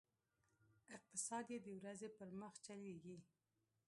اقتصاد یې د ورځې پر مخ چلېږي.